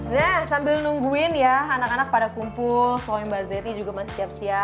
nah sambil nungguin ya anak anak pada kumpul soalnya mbak zeti juga masih siap siap